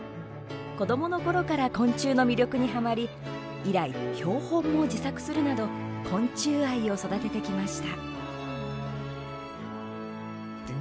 子どものころから昆虫の魅力にはまり以来、標本も自作するなど昆虫愛を育ててきました。